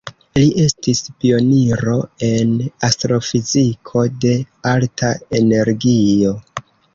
Li estis pioniro en astrofiziko de alta energio.